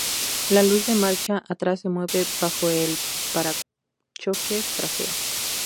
La luz de marcha atrás se mueve bajo el parachoques trasero.